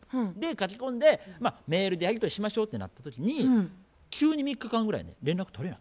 書き込んでまあメールでやり取りしましょうってなった時に急に３日間ぐらいね連絡取れんようなって。